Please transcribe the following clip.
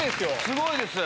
すごいです。